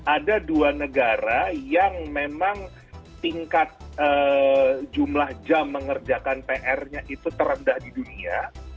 ada dua negara yang memang tingkat jumlah jam mengerjakan pr nya itu terendah di dunia